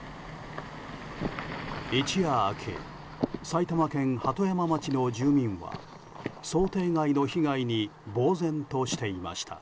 一夜明け埼玉県鳩山町の住民は想定外の被害にぼうぜんとしていました。